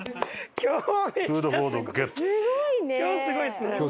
今日すごいですね。